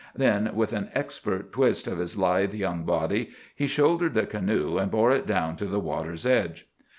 Then, with an expert twist of his lithe young body, he shouldered the canoe and bore it down to the water's edge.